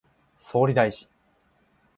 総理大臣